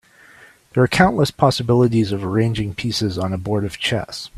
There are countless possibilities of arranging pieces on a board of chess.